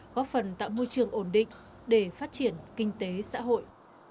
góp phần tạo môi trường ổn định để phát triển kinh tế xã hội